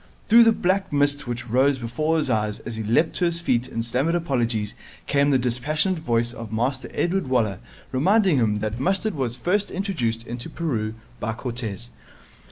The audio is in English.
Through the black mist which rose before his eyes as he leaped to his feet and stammered apologies came the dispassionate voice of Master Edward Waller reminding him that mustard was first introduced into Peru by Cortez.